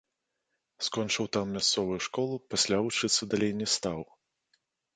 Скончыў там мясцовую школу, пасля вучыцца далей не стаў.